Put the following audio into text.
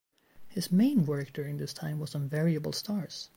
His main work during this time was on variable stars.